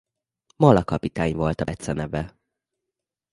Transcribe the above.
Mola kapitány volt a beceneve.